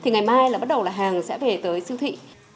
ngày mai hàng sẽ về tới siêu thị